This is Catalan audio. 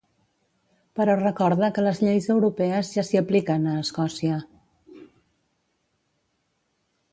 Però recorda que les lleis europees ja s’hi apliquen, a Escòcia.